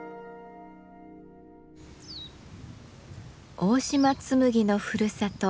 大島紬のふるさと